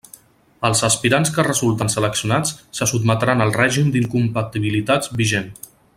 Els aspirants que resulten seleccionats se sotmetran al règim d'incompatibilitats vigent.